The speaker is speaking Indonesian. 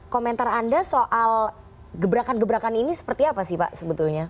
komentar anda soal gebrakan gebrakan ini seperti apa sih pak sebetulnya